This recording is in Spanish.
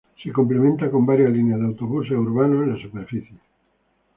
Se complementa con varias líneas de autobús urbanas en la superficie.